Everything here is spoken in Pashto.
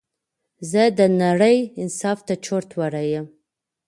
زه د نړۍ انصاف ته چورت وړى يمه